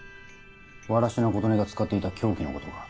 藁科琴音が使っていた凶器のことか？